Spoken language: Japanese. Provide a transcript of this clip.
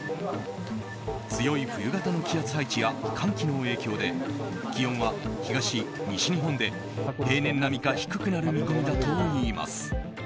強い冬型の気圧配置や寒気の影響で気温は東、西日本で平年並みか低くなる見込みだといいます。